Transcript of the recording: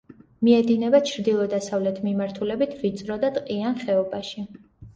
მიედინება ჩრდილო-დასავლეთ მიმართულებით ვიწრო და ტყიან ხეობაში.